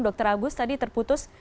dokter agus tadi terputus